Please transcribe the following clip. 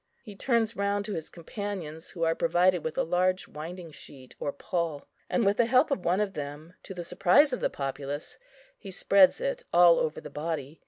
He turns round to his companions who are provided with a large winding sheet or pall, and with the help of one of them, to the surprise of the populace, he spreads it all over the body.